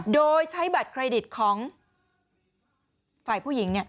โดยใช้บัตรเครดิตของฝ่ายผู้หญิง